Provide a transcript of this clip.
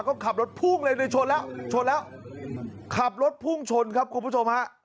ก็ขับรถพุ่งเลยเลยชนแล้วชนแล้วขับรถพุ่งชนครับคุณผู้ชมฮะ